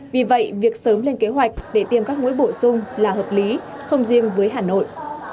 vì vậy việc sớm lên kế hoạch để tiêm các mũi bổ sung là hợp lý không riêng với hà nội